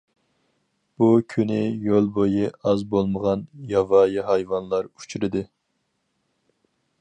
بۇ كۈنى يول بويى ئاز بولمىغان ياۋايى ھايۋانلار ئۇچرىدى.